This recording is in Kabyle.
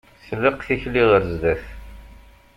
Tlaq tikli ar zdat.